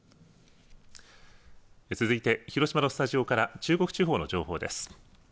続いて広島のスタジオから中国地方の情報です。